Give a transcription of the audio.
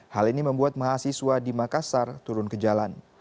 hal ini membuat mahasiswa di makassar turun ke jalan